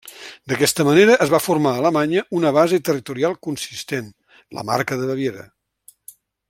D'aquesta manera es va formar a Alemanya una base territorial consistent, la Marca de Baviera.